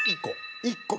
１個？